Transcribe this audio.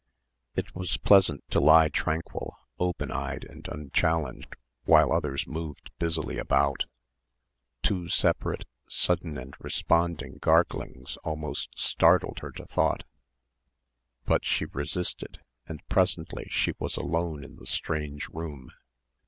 It was pleasant to lie tranquil, open eyed and unchallenged while others moved busily about. Two separate, sudden and resounding garglings almost startled her to thought, but she resisted, and presently she was alone in the strange room.